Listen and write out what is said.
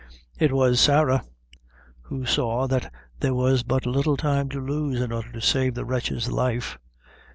It was Sarah, who saw that there was but little time to lose in order to save the wretch's life.